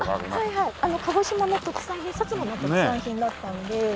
鹿児島の特産品摩の特産品だったんで。